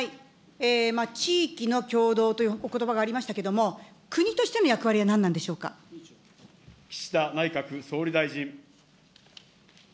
地域の協働というおことばがありましたけれども、国としての岸田内閣総理大臣。